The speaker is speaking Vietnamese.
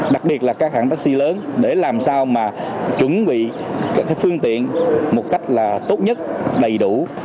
đặc biệt là các hãng taxi lớn để làm sao mà chuẩn bị các phương tiện một cách là tốt nhất đầy đủ